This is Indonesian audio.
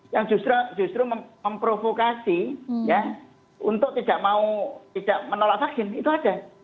yang justru memprovokasi ya untuk tidak mau tidak menolak vaksin itu ada